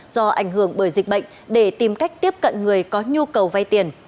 do ảnh hưởng bởi dịch bệnh để tìm cách tiếp cận người có nhu cầu vay tiền